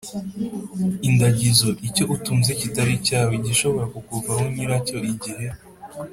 indagizo: icyo utunze kitari icyawe, igishobora kukuvaho nyiracyo igihe